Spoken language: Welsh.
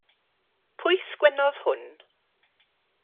Pwy sgwenodd hwn?